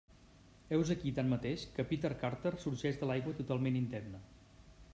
Heus aquí tanmateix que Peter Carter sorgeix de l'aigua totalment indemne.